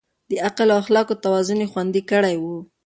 د عقل او اخلاقو توازن يې خوندي کړی و.